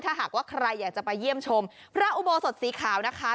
ถ้าใครอยากไปเยี่ยมชมพระอุโบสถสีขาวนะคะ